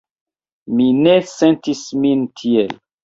Mi ne sentis min tiel.